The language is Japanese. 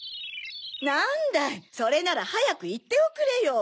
なんだいそれならはやくいっておくれよ。